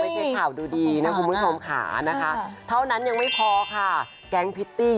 ช้ำใจจนเข้าโรงพยาบาลไปเลย